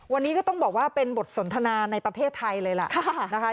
วันนี้ก็ต้องบอกว่าเป็นบทสนทนาในประเทศไทยเลยล่ะนะคะ